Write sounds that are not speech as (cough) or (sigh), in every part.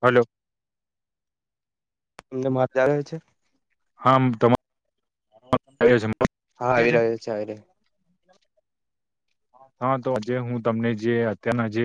Hello. અમને મા આવે છે, હા તમા હા આવી રહ્યો છે. ચ્યારે (inaudible) હા તો આજે હું તમને જે, અત્યારના જે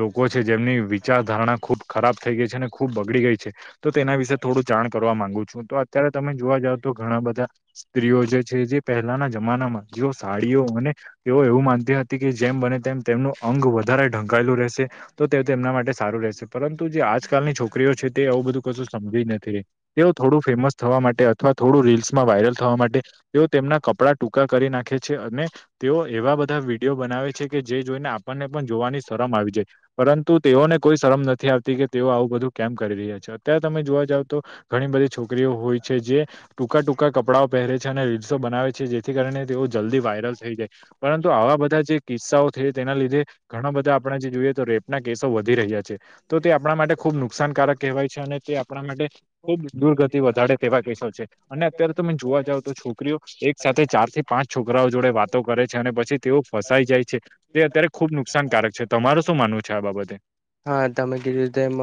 લોકો છે જેમની વિચાર ધારણા ખુબ ખરાબ થઈ ગઈ છે ને ખૂબ બગડી ગઈ છે, તો તેના વિશે થોડું જાણ કરવા માંગુ છું તો અત્યારે તમે જોવા જાવ તો ઘણા બધા સ્ત્રીઓ જે છે જે પહેલાના જમાનામાં જેઓ સાડીઓ અને, તેઓ એવું માનતી કે જેમ બને તેમ તેમનું અંગ વધારે ઢંકાયેલું રહેશે, તો તે તેમના માટે સારું રહેશે. પરંતુ જે આજકાલની છોકરીઓ છે તે એવું બધું કશું સમજીવી નથી રહી તેઓ થોડું ફેમસ થવા માટે અથવા થોડું રીલ્સમાં વાયરલ થવા માટે તેઓ તેમના કપડા ટૂંકા કરી નાખે છે અને તેઓ એવા બધા વિડીયો બનાવે છે. કે જે જોઈને આપણને પણ જોવાની શરમ આવી જાય પરંતુ તેઓને કોઈ શરમ નથી આવતી કે તેઓ આવું બધું કેમ કરી રહ્યા છે. અત્યારે તમે જોવા જાવ તો ઘણી બધી છોકરીઓ હોય છે જે ટૂંકા ટૂંકા કપડાંઓ પહેરે છે અને રીલ્સો બનાવે છે. જેથી કારણે તેઓ જલ્દી વાયરલ થઈ જાય પરંતુ આવા બધા બધા જે કિસ્સાઓ છે તેના લીધે ઘણા બધા આપણે જે જોઈએ તો રેપના કેસો વધી રહ્યા છે. તો તે આપણા માટે ખુબ નુકસાનકારક કહેવાય છે અને તે આપણા માટે ખુબ દુર્ગતિ વધારે તેવા કેસો છે. અને અત્યારે તમે જોવા જાવ તો છોકરીઓ એક સાથે ચાર થી પાંચ છોકરાઓ જોડે વાતો કરે છે અને પછી તેઓ ફસાઈ જાય છે તે અત્યારે ખુબ નુકસાનકારક છે તમાર શું માનવું છે આ બાબતે. હા તમે કીધું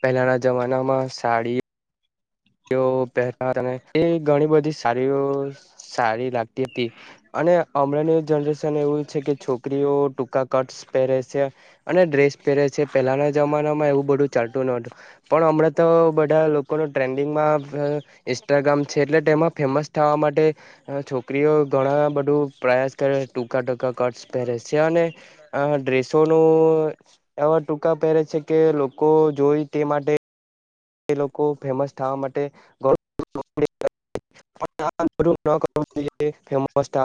પહેલાના જમાનામાં સાડી તે પહે અને એ ઘણી બધી સારી સારી લાગતી હતી અને હમણાં જનરે એવું છે કે છોકરીઓ ટૂંકા કટ પહેરે છે. અને ડ્રેસ પહેરે છે પહેલાના જમાનામાં એવું બધું ચાલતું ન હતું પણ હમણાં તો બધા લોકોનો ટ્રેન્ માં ઇન્સ્ટાગ્રામ છે એટલે તેમાં ફેમસ થવા માટે હ છોકરીઓ ઘણા બધું પ્રયાસ કરે ટૂંકા ટૂકા ટ પરે સ અને ડ્રેસ સોનું એવા ટૂકા પહેરે છે કે લોકો જોઈ તે માટે એ લોકો ફેમસ થવા માટે (inaudible) કરવું જોઈ ફ માટે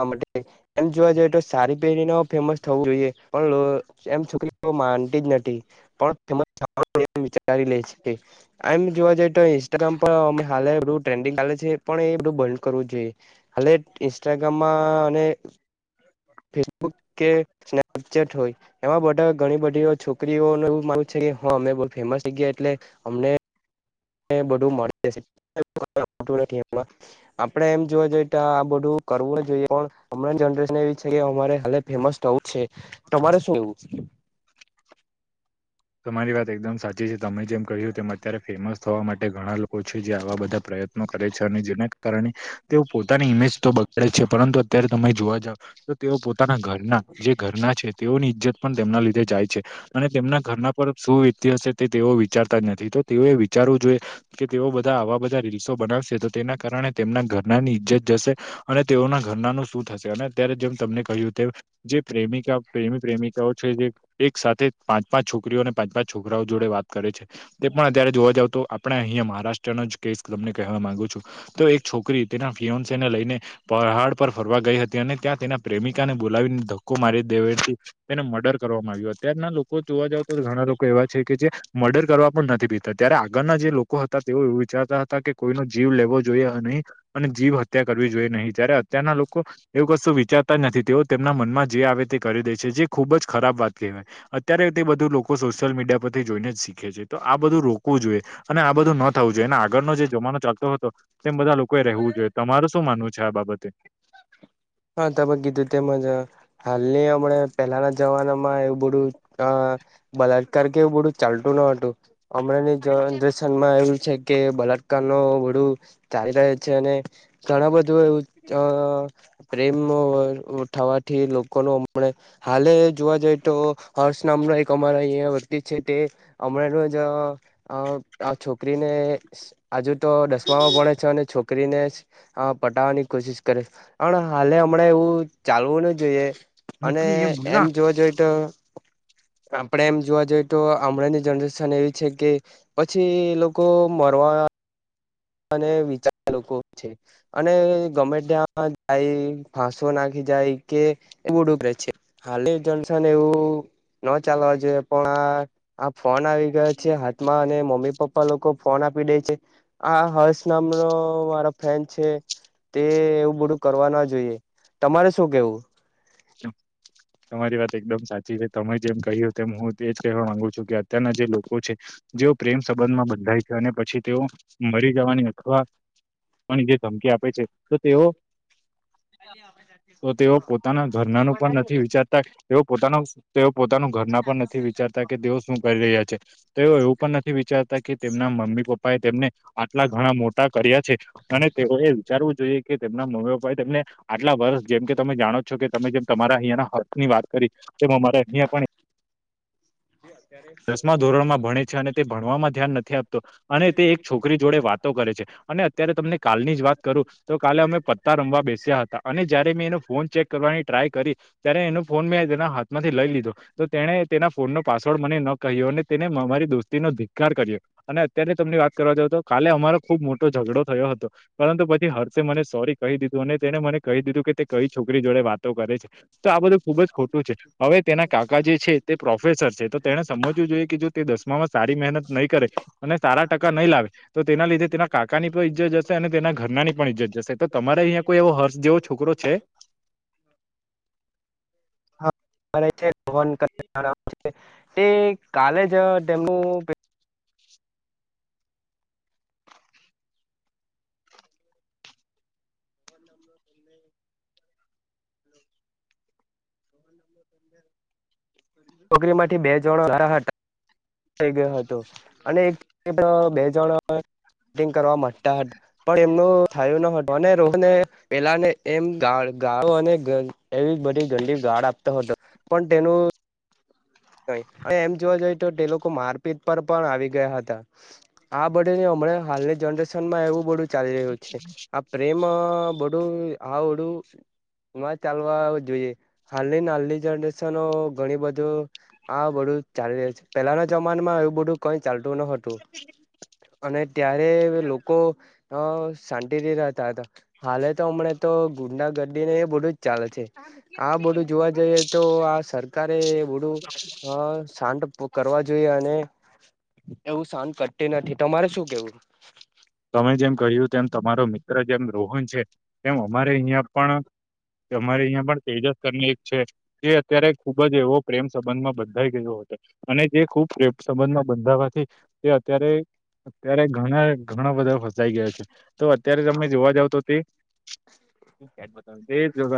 એમ જોવા જઈએ તો સારી પેરી ના ફેમસ થવું જોઈએ પણ એમ છોકરી માનતી જ નથી પણ એ વિચારી લે છે કે આમ જોવા જઈએ તો ઇન્સ્ટાગ્રામ પણ હા એધું ટ્રેન્ડિંગ ચાલે છે પણ એ બધું બંધ કરવું જોઈએ હાલે ઇન્સ્ટાગ્રામમાં અને (inaudible) ફેસબુક કે સ્નપચેટ હોય, એમાં બધા ઘણી બધી છોકરીઓ એવું માન છે કે હ મે બવ ફેમસ થઇ ગયા એટલે અમને બધું મળી જા છે (unintelligible) નથી એમાં આપડે એમ જોવા જોઈએ તો આ બધું કરવું જોઈએ પણ હમણાં જનરેશન એવી છે, કે અમારે. ફેમસ થવું છે. તમારે શું કે? તમારી વાત એકદમ સાચી છે. તમે જેમ કહ્યું તેમ અત્યારે ફેમસ થવા માટે ઘણા લોકો. છે. જે આવા બધા પ્રયત્નો કરે છે અને જેને કારણે તેઓ પોતાની ઈમેજ તો બગાડે છે, પરંતુ અત્યારે તમે જોવા જાવ. તેઓ પોતાના ઘરના જે ઘરના છે. તેઓની ઈજ્જત પણ તેમના લીધે જાય છે, અને તેમના ઘરના શું વિતતિ હશે તેઓ વિચારતા જ નથી. તો તેઓએ વિચારવું જોઈએ કે તેઓ બધા આવા બધા. સો બનાવશે તો તેના કારણે તેમના ઘરનાની ઈજ્જત જશે, અને તેઓના ઘરનાનું શું થશે અને અત્યારે જેમ તમને કહ્યું તેમ. જે પ્રેમિકા, પ્રેમી- પ્રેમિકાઓ છે. જે એક સાથે પાંચ - પાંચ, છ છોકરીઓને પાંચ- પાંચ છોકરાઓ જોડે વાત કરે છે. તે પણ અત્યારે જોવા જાવ તો આપણે અહંયા મહારાષ્ટ્ર નોજ કેસ તમને કહેવા માંગુ છું, તો એક છોકરી તેના ફિયોનશી ને લઈને. પહાડ પર ફરવા ગઈ હતી, અને ત્યાં તેના પ્રેમિકાને બોલાવીને ધક્કો મારી દેવાયતો. તેનો મર્ડર કરવામાં આવ્યો, અતારના લોકો જોવા જાવ તો, ઘણા લોકો એવા છે કે જે મર્ડર કરવા પણ નથી પીતા, ત્યારે આગળના જે લોકો હતા, તેઓ એવું વિચારતા હતા કે, કોઈનો જીવ લેવો જોઈએ અ નહીં. અને જીવ હત્યા કરવી જોઈએ નહી, જ્યારે અત્યારના લોકો એવું કશું વિચારતા જ નથી, તેઓ તેમના મનમાં જે આવે તે કરી દે છે, જે ખુબ જ ખરાબ વાત કહેવાય. અત્યારે તે બધું લોકો સોશિયલ મીડિયા પરથી જોઈને જ શીખે છે, તો આ બધું રોકવું જોઈએ. અને આ બધું ન થવું જોઈએ, એના આગળનો જે જમાનો ચાલતો હતો. તેમ બધા લોકોએ રહેવું જોઈએ, તમારરે શું માનવું છે? આ બાબતે. હા, તમે કીધું તેમ જ. હાલની હમણા પેલાના જમાનામાં એવું બધું અ બલાત્કાર કે, એવું બધું ચાલતું ન હતું, હમણાંની જનરેશન એવુ છે કે, બલાટકાર નું વડું ચાલી રહે છે, અને ઘણા બધું એવું અ પ્રેમનો થવાથી, લોકોનો હમને. હાલે જોવા જઈ તો, હર્ષ નામનો એક અમારા અહયા વ્યતી છે, તે હમણાં રોજ આ છોકરીને હજુ તો દસમામાં ભણેે છે, અને છોકરીને પટાવવાની કોશિશ કરે છે. હાલે હમણાં એવું ચાલવું ન જોઈએ, અને મોકલી એ એમ બોલના જોવ જોઈતો. આપણેે એમ જોવા જઈએ, તો હમણાંની જનરેશન એવી છે કે. પછી એ લોકો મરવા અને વિચાર લોકો છે. અને ગમે ત્યાં જાય, ફાંસો નાખી જાય કે, એવું ડબરે છે. હાલી જંશન એવું ન ચાલવા જોઈએ, પણ આ આ ફોન આવી ગયો છે હાથમાં, અને મમ્મી-પપ્પા લોકો ફોન આપી દે છે. આ હર્ષ નામનો મારો ફ્રેન્ડ છે. તે એવું બધું કરવા ના જોઈએ, તમારે શું કેવું (unintelligible) તમારી વાત એકદમ સાચી છે, તમે જેમ કહ્યું તેમ, હું એ જ કવા માંગુ છું, કે અત્યારના જે લોકો છે. જેઓ પ્રેમ સંબંધમાં બંધાય છે, અને પછી તેઓ મરી જવાની અથવા પણ જે ધમકી આપે છે, તો તેઓ (unintelligible) ઘરણાનું પણ તે નથી વિચારતા, તેઓ પોતાનું તેઓ પોતાનું ઘરના પણ નથી વિચારતા કે, તેઓ શું કરી રહ્યા છે, તેઓ એવું પણ નથી વિચારતા કે. તેમના મમ્મી-પપ્પાએ તેમને આટલા ઘણા મોટા કર્યા છે. અને તેઓ એ વિચારવું જોઈએ કે, તેમના મમ્મી પપ્પા એ તેમને આટલા વર્ષ જેમ કે, તમે જાણો છો કે, તમે જેમ તમારા અહિયાયા ના હર્ક ની વાત કરી, જે અમારા અહિયાં પણ હા. દસમા ધોરણમાં ભણે છે, અને તે ભણવામાં ધ્યાન નથી આપતો, અને તે એક છોકરી જોડે વાતો કરે છે. અને અત્યારે તમને કાલની જ વાત કરું તો, કાલે અમે પત્તા રમવા બેસ્યા હતા, અને જયારે મેં એનો ફોન ચેક કરવાની ટ્રાય કરી. ત્યારે એનો ફોન મેં એના હાથમાંથી લઈ લીધો તો, તેને તેના ફોન નું પાસવર્ડ મને ન કહ્યો, અને તેને મારી દોસ્તી નો ધિક્કાર કર્યો. અને અત્યારે તમની વાત કરવા જાવ તો, કાલે અમારો ખુબ મોટો ઝઘડો થયો હતો. પરંતુ પછી હર્ષે મને સોરી કહી દીધું, અને તેને મને કહી દીધું કે, તે કઈ છોકરી જોડે વાતો કરે છે. તો આ બધું ખુબ જ ખોટું છે, હવે તેના કાકા જે છે, તે પ્રોફેસર છે તો તેને. સમજવું જોઈએ કે જો તે દસમામાં સારી મહેનત નહીં કરે અને સારા ટકા નહીં લાવે તો તેના લીધે તેના કાકાની પણ ઈજ્જત જશે અને તેના ઘરનાની પણ ઈજ્જત જશે, તો તમારે અહીંયા કોઈ એવો હર્ષ જેવો છોકરો છે? (inaudible) તે કાલે જ તેમનું (inaudible) નોકરી માંથી બે જણો હતા, હતા. થઈ ગયો હતો અને એક બે જણ (unintelligible) કરવા માટે તા પણ એમનું થાયલુ હતો અને રોહ ને પેલા ને એમ ગા ગાળો અને એવી બધી ગંડી ગાળ આપતો હતો. પણ તેનું એમ જોવા જઈએ તો તે લોકો મારપીટ પર પણ આવી ગયા હતા. આ બધુ હમણાં હાલની જનરેશન માં એવું બડું ચાલી રહ્યું છે. રેલો બડું આ બડું. માં ચાલવા જોઈએ હાલની નાની જનરેશનો ઘણી બધું હા બધું ચાલી રહ્યું છે પેલાના જમાનામાં એવું બધું કઈ ચાલતું નોતું. અને ત્યારે લોકો અ શાંતિથી રહેતા હતા. હાલે તો હમણાં તો ગુંડા ગડી ને એ બધું જ ચાલે છે. આ બડું જોવા જઈએ તો આ સરકારે બધું સાંડ કરવા જોઈએ અને એવું સાંડ કટતી નથી, તમારે શું કેવું? તમે જેમ કહ્યું તેમ તમારો મિત્ર જેમ રોહન છે તેમ અમારે અહીંયા પણ કે અમારે અહિયાં પણ તેજસ કરીને એક છે. એ અત્યારે ખુબ જ એવો પ્રેમ સંબંધમાં બધલાઈ ગયો હતો. અને જે ખૂબ રેપ સંબંધમાં બંધાવાથી તે અત્યારે અત્યારે ઘણા ઘણા બધા ફસાઈ ગયા છે, તો અત્યારે તમે જોવા જાવ તો તે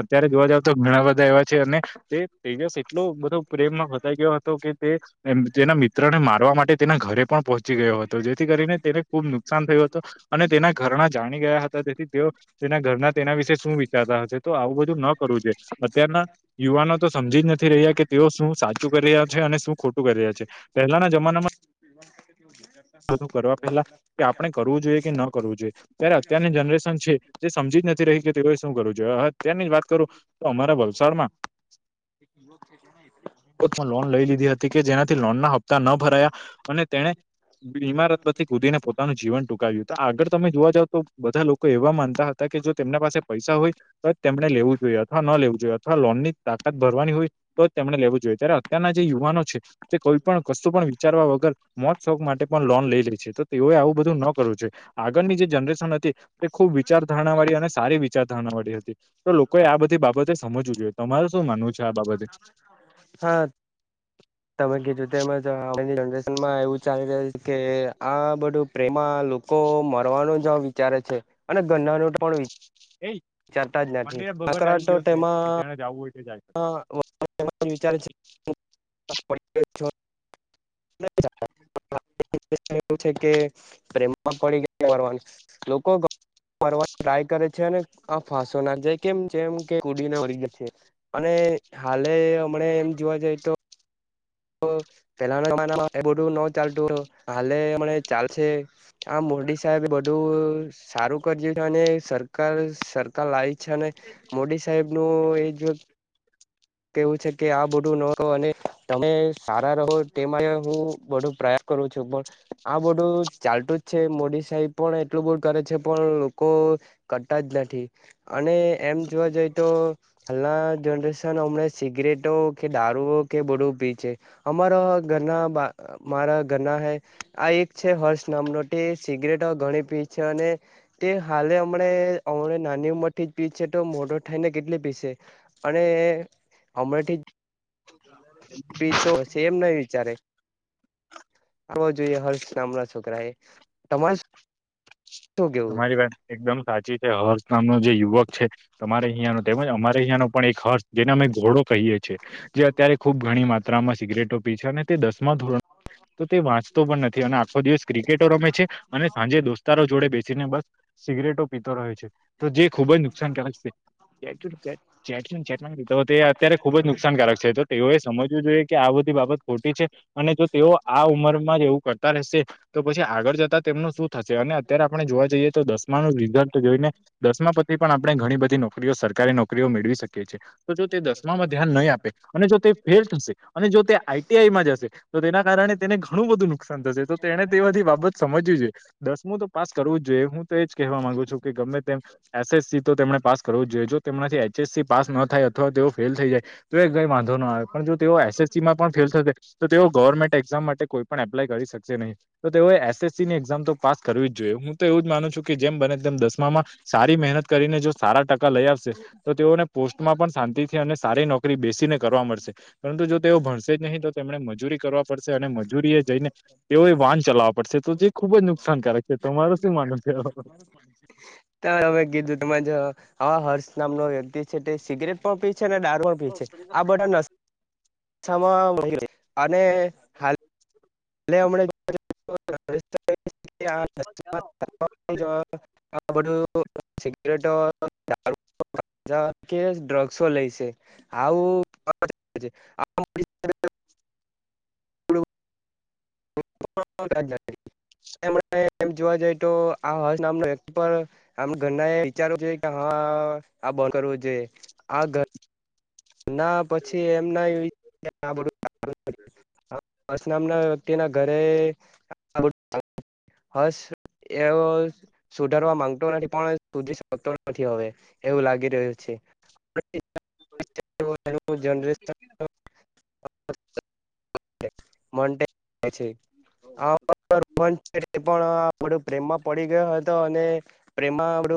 અત્યારે જોવા જાવ તો ઘણા બધા એવા છે અને તે તેજસ એટલો બધો પ્રેમમાં ફસાઈ ગયો હતો કે તે એ તેના મિત્રને મારવા માટે તેના ઘરે પણ પહોંચી ગયો હતો. જેથી કરીને તેને ખૂબ નુકસાન થયું હતું અને તેના ઘરના જાણી ગયા હતા તેથી તેઓ તેના ઘરના તેના વિશે શું વિચારતા હશે તો આવું બધું ન કરવું જોઈએ. અત્યારના યુવાનો તો સમજી નથી રહ્યા કે તેઓ શું સાચું કરી રહ્યા છે અને શું ખોટું કરી રહ્યા છે. પહેલાના જમાનામાં બધું કરવા પેલા કે આપણે કરવું જોઈએ કે ન કરવું જોઈએ. ત્યારે અત્યારની જનરેશન છે જે સમજી જ નથી રહી કે તેઓ શું કરવું જો અત્યારની જ વાત કરું તો અમારા વલસાડમાં પોમાં લોન લઈ લીધી હ કે જેનાથી લોન ના હપ્તા ન ભરાયા અને તેને ઈમારત પરથી કૂદીને પોતાનું જીવન ટૂંકાવ્યું તુ, આગળ તમે જોવા જાવ તો બધા લોકો એવા માનતા હતા કે જો તેમના પાસે પૈસા હોય તો તેમને લેવું જોઈએ અથવા ન લેવું જોઈએ અથવા લોનની તાકાત ભરવાની હોય તો જ તેમણે લેવું જોઈએ ત્યારે અત્યારના જે યુવાનો છે તે કોઈ પણ કશું પણ વિચારવા વગર મોત શોક માટે પણ લોન લઈ લે છે તો તેઓએ આવું બધું ન કરવું છે આગળની જે જનરેશન હતી ખુબ વિચાર ધારણા વાળી અને સારી વિચાર ધારણા વાળી હતી તો લોકોએ આ બધી બાબતે સમજવું જોઈ. તમારે શું માનવું છે આ બાબતે? હા, તમે કીધુ તેમજ નમાં એવું ચાલી રહ્યું છે કે આ બધું પ્રેમા લોકો મરવાનું જ વિચારે છે. અને ગન્ના નોટ પણ એઈ વિચારતા જ નથી. બગટ આવી ગયો છે તો જેને જવું હોય તે જાય. વિચ છે (unintelligible) છ (unintelligible) (unintelligible) કે પ્રેમમાં પડી ગયા લોકો. ફરવા ટ્રાય કરે છે, અને આ ફાંસો નાખ જાય, કેમ જેમ કેડી અને હાલે હમણા એમ જોવા જઈએ તો. પેલાના જમાનામાં એ બધું ન ચાલતું, હાલે અમણા ચાલશે. આ મોરડી સાહેબ બધું. સારું કરીજે છે, અને સરકાર સરકાર લાવી છે, અને મોડી સાહેબ નું એજ. કેવું છે કે, આ બધું ન, અને તમે સારા રહો તેમાં હું બધો પ્રયાસ. કરો છો, પણ આ બધું ચાલતું જ છે, મોદી સાહેબ પણ એટલું બહુ કરે છે, પણ લોકો કરતા જ નથી, અને એમ જોવા જઈ તો હાલના જનરેશન હમ, સિગરેટો કે દારૂઓ કે બડું પી છે, અમારા હો ઘરના બાર મારા ઘરના હે આ એક છે, હર્ષ નામનો સિગરેટ ગણી પી છે, અને એ હાલે હમણા અમણા નાની ઉંમર થી જ પી છે, તો મોટો થઇને કેટલી પીસે અને અમણાથી જ હ. પી તો સ એમ નહ વિચારે (unintelligible) આવ જોઈએ, હર્ષ નામના છોકરા એ તમારે. શું કેવું તમારી વાત એકદમ સાચી છે, હર્ષ નામનો જે યુવક છે. તમારે અહિયાંનો તેમજ અમારે અહીંનો પણ એક હર્ષ જેને અમે ઘોડો કહીએ છીએ. જે અત્યારે ખુબ ઘણી માત્રામાં સિગરેટો પી છે, અને તે દસ ધોરણ તો તે વાંચતો પણ નથી, અને આખો દિવસ ક્રિકેટો રમે છે, અને સાંજે દોસ્તારો જોડે બેસી ને બસ સિગરેટો પીતો રહયો છે, તો જે ખુબ જ નુકસાનકારક છે. ટટી એ અત્યારે ખુબ જ નુકસાનકારક છે. તેઓએ સમજવું જોઈએ કે, આ બધી બાબત ખોટી છે, અને જો તેઓ આ ઉંમરમાં જ એવું કરતા રહેશે. તો પછી આગળ જતા, તેમનું શું થશે, અને અત્યારે આપણે જોવા જઈએ, તો દસમા નુ રિઝલ્ટ જોઈને. દસમા પછી પણ આપણે ઘણી બધી નોકરીઓ સરકારી નોકરીઓ મેળવી શકીએ છીએ. તો જો તે દસમામાં ધ્યાન નહીં આપે, અને જો તે ફેલ થશે, અને જો તે આઈ. ટી. આઈમાં જશે. તો તેના કારણે તેને ઘણું બધું નુકસાન થશે, તો તેને તે બધી બાબત સમજવી છે, દસમું તો પાસ કરવા જ જોઈએ, હું તો એજ કહેવા માગુું. કે ગમે તેમ એસસ તોને પાસ કરવું જ જોઈએ, તેમનાથી એચએસ પાસ ન થાય, અથવા તેઓ ફેલ થઈ જાય. તો એ કઈ વાંધો ન આવે, પણ જો તેઓ એસ. એસ. સીમાં પણ ફેલ થશે, તો તેઓ ગવર્મેન્ટ એક્ઝામ માટે કોઈ પણ એપ્લાય કરી શકશે નહીં, તો તેઓએ એસ. એસ. સી ની એક્ઝામ તો પાસ કરવી જ. જો હું તો એવું જ માનું છું કે, જેમ બને તેમ દસમામાં સારી મહેનત કરીને, જો સારા ટકા લઈ આવશે. તો તેઓને પોસ્ટમાં પણ શાંતિથી, અને સારી નોકરી બેસીને કરવા મળશે. પરંતુ જો તેઓ ભણશે જ નહીં, તો તેમને મજૂરી કરવા પડશે, અને મજૂરી એ જઈને તેઓ. વાહન ચલાવવા પડશે, તો જે ખુબ જ નુકસાનકારક. છે તમારું શું માનવું છે (unintelligible) અમે કીધું તો, આ હર્ષ નામનો વ્યક્તિ છે તે સીગરેટ. દારૂ પણ પી છે, અને (unintelligible) એટલે હમ (unintelligible) બધું સિગરેટ (unintelligible) ા કે ડ્રગ્સો લઈશે, આવું (unintelligible) (unintelligible) એમ જોવા જઈ તો આ હર્ નામનો એક પણ આમ ઘરના એ વિચારો છે કે હા આ બંધ કરવું છે, આ ના પછી એમ ના સ નામ ના વ્યક્તિ ના ઘરે હસ એવ સુધારવા માંગતો નથી પણ સુધી શકતો નથી હવે, એવું લાગી રહ્યું છે. જ (unintelligible) પણ પ્રેમમાં (unintelligible) પડી ગયો હતો અને, પ્રેમમાં આપડું